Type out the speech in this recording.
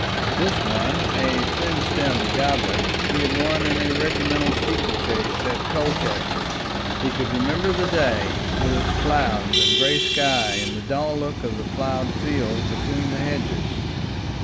This one, a thin stemmed goblet, he had won in a regimental steeple chase at Colchester; he could remember the day with its clouds and grey sky and the dull look of the ploughed fields between the hedges.